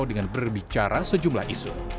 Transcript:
dengan berbicara sejumlah isu